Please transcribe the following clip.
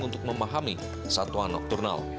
untuk memahami satwa nokturnal